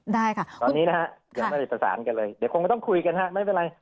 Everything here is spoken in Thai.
ได้ค่ะตอนนี้นะฮะยังไม่ได้ประสานกันเลยเดี๋ยวคงไม่ต้องคุยกันฮะไม่เป็นไร